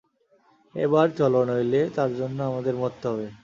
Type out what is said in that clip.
এবার চলো নইলে তার জন্য আমাদের মরতে হবে।